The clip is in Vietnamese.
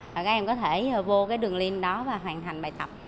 các em có thể vô đường link đó và hoàn thành bài tập